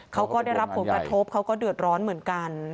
เขาก็ได้รับผลกระทบเขาก็เดือดร้อนเหมือนกัน